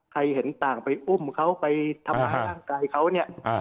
เห็นต่างไปอุ้มเขาไปทำร้ายร่างกายเขาเนี่ย